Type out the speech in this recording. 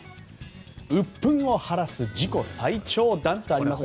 うっぷんを晴らす自己最長弾とありますが。